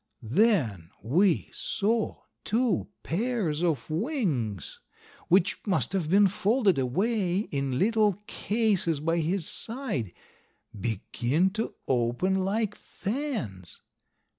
Then we saw two pairs of wings, which must have been folded away in little cases by his side, begin to open like fans.